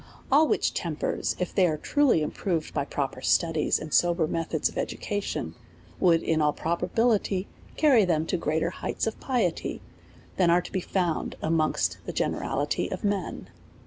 All which tempers, if they were truly improved by proper studies and sober methods of education, would in all probability carry them to greater heights of piety than are to be found amongst the generality of men.